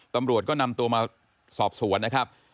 ตำรวจก็นำตัวมาสอบสวนนะครับ